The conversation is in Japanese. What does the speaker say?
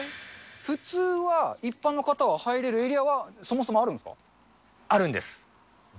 普通は、一般の方は入れるエリアはそもそもあるんですか？